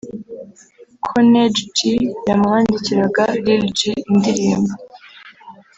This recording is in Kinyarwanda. ko Neg G yamwandikiraga [Lil G]indirimbo’’